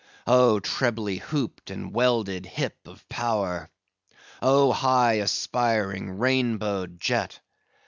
"Oh, trebly hooped and welded hip of power! Oh, high aspiring, rainbowed jet!